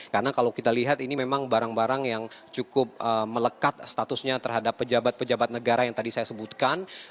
karena kalau kita lihat ini memang barang barang yang cukup melekat statusnya terhadap pejabat pejabat negara yang tadi saya sebutkan